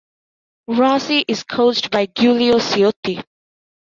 Rossi is coached by Giulio Ciotti.